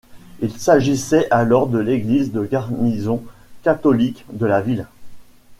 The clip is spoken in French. Il s'agissait alors de l'église de garnison catholique de la ville.